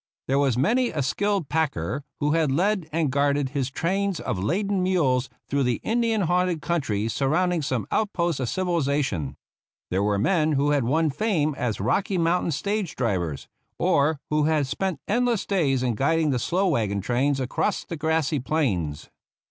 There was many a skilled packer who had led and guarded his trains of laden mules through the Indian 27 THE ROUGH RIDERS haunted country surrounding some out post of civilization. There were men who had won fame as Rocky Mountain stage drivers, or who had spent endless days in guiding the slow wagon trains across the grassy plains.